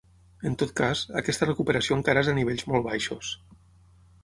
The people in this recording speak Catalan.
En tot cas, aquesta recuperació encara és a nivells molt baixos.